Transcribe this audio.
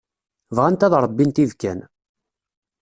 Bɣant ad ṛebbint ibekkan.